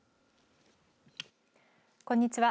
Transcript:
こんにちは。